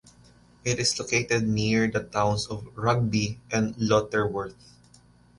It is located near the towns of Rugby and Lutterworth.